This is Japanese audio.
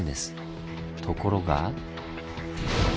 ところが。